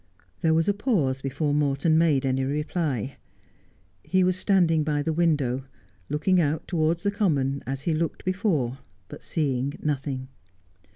There was a pause before Morton made any reply. He was standing by the window, looking out towards the common, as he looked before, but seeing nothing.